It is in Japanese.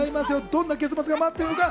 どんな結末が待っているのか。